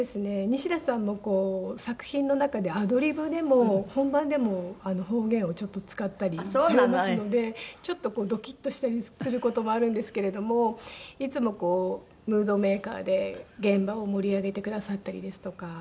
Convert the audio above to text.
西田さんもこう作品の中でアドリブでも本番でも方言をちょっと使ったりされますのでちょっとドキッとしたりする事もあるんですけれどもいつもムードメーカーで現場を盛り上げてくださったりですとか。